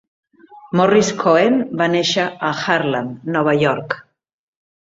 Morris Cohen va néixer a Harlem, Nova York.